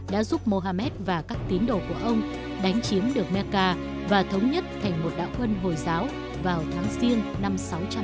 đã giúp muhammad và các tín đồ của ông đánh chiếm được mecca và thống nhất thành một đạo quân hồi giáo vào tháng giêng năm sáu trăm ba mươi